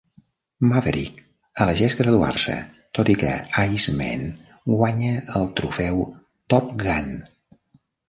Maverick elegeix graduar-se, tot i que Iceman guanya el trofeu Top Gun.